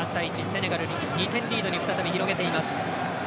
セネガル２点リードに再び広げています。